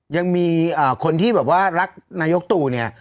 ยังมีคนที่รักนายกตุเนี่ย